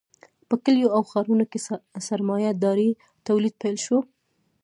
په کلیو او ښارونو کې سرمایه داري تولید پیل شو.